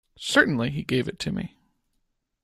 Certainly he gave it to me.